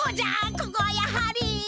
ここはやはり。